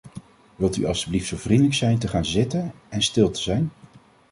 Wilt u alstublieft zo vriendelijk zijn te gaan zitten en stil te zijn?